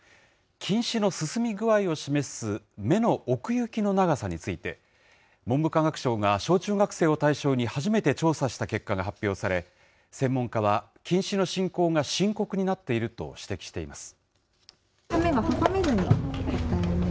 近視の進み具合を示す目の奥行きの長さについて、文部科学省が小中学生を対象に初めて調査した結果が発表され、専門家は、近視の進行が深刻になっていると指摘しています。